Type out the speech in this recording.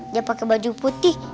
dia pake baju putih